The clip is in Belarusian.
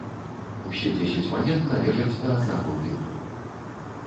Усе дзесяць манет належаць да аднаго тыпу.